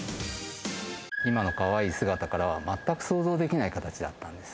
今のかわいい姿からは、全く想像できない形だったんです。